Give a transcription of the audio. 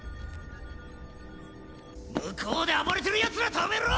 向こうで暴れてる奴ら止めろ！